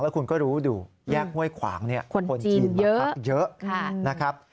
แล้วคุณก็รู้ดูแยกห้วยขวางคนจีนเยอะ